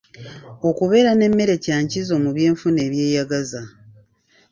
Okubeera n'emmere kya nkizo mu by'enfuna eyeeyagaza.